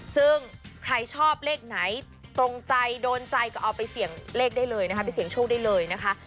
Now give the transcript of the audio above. ซึ่งใครชอบเลขไหนตรงใจโดนใจก็เอาไปเสี่ยงเลขได้เลยนะคะไปเสี่ยงโชคได้เลยนะคะ